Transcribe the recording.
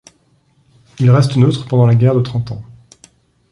Il reste neutre pendant la guerre de Trente Ans.